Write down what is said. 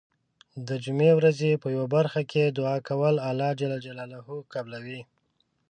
د جمعې ورځې په یو برخه کې دعا کول الله ج قبلوی .